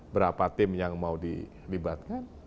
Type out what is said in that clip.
berapa tim yang mau dilibatkan